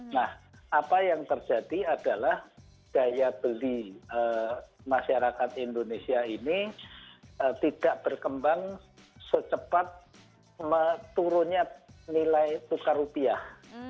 nah apa yang terjadi adalah daya beli masyarakat indonesia ini tidak berkembang secepat turunnya nilai tukar rupiah